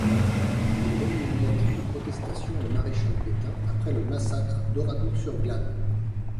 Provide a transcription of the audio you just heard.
Il remet une lettre de protestation au maréchal Pétain après le massacre d'Oradour-sur-Glane.